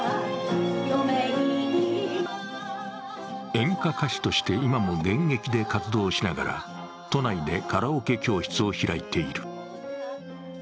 演歌歌手として、今も現役で活動しながら都内でカラオケ教室を開いている。